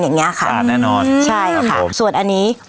นี่เลยอันนี้